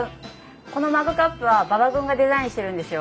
このマグカップは馬場君がデザインしてるんですよ。